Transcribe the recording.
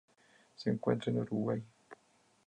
Se encuentra en Uruguay.